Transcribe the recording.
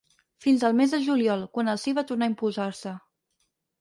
Fins al mes de juliol, quan el sí va tornar a imposar-se.